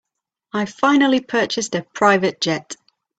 I finally purchased a private jet.